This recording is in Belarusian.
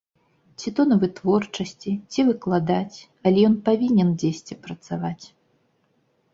Ці то на вытворчасці, ці выкладаць, але ён павінен дзесьці працаваць.